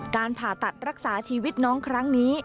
การผ่าตัดรักษาชีวิตน้องครั้งนี้